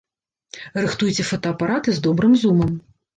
Рыхтуйце фотаапараты з добрым зумам!